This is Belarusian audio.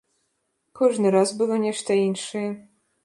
Кожны раз было нешта іншае.